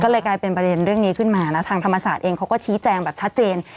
ก็เลยกลายเป็นประเด็นเรื่องนี้ขึ้นมานะทางธรรมศาสตร์เองเขาก็ชี้แจงแบบชัดเจน